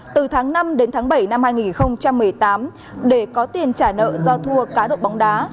từ tháng năm đến tháng bảy năm hai nghìn một mươi tám để có tiền trả nợ do thua cá độ bóng đá